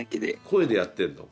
声でやってんの？